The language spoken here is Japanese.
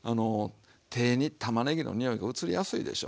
手にたまねぎのにおいがうつりやすいでしょ。